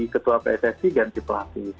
ketua pssi ganti pelatih